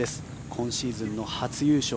今シーズンの初優勝